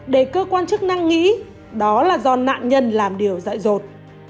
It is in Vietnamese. để cơ quan chức năng nghĩ đó là do nạn nhân làm điều dại dột